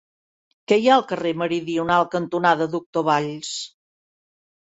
Què hi ha al carrer Meridional cantonada Doctor Valls?